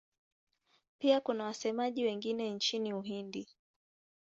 Pia kuna wasemaji wengine nchini Uhindi.